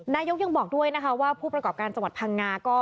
นายกยังบอกด้วยนะคะว่าผู้ประกอบการจังหวัดพังงาก็